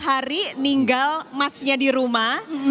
empat belas hari ninggal masnya di rumah